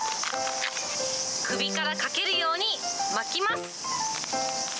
首からかけるように巻きます。